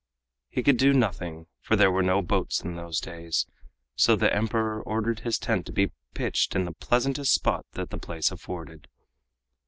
He could do nothing, for there were no boats in those days, so the Emperor ordered his tent to be pitched in the pleasantest spot that the place afforded.